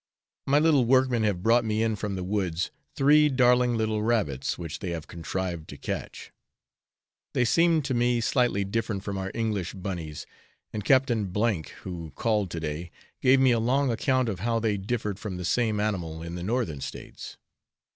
My little workmen have brought me in from the woods three darling little rabbits which they have contrived to catch. They seemed to me slightly different from our English bunnies; and Captain F , who called to day, gave me a long account of how they differed from the same animal in the northern States.